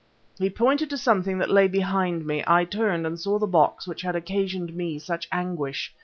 He pointed to something that lay behind me. I turned, and saw the box which had occasioned me such anguish.